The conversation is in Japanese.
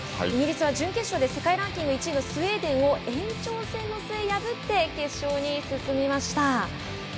イギリスは準決勝で世界ランキング１位のスウェーデンを延長戦の末破って決勝に進みました。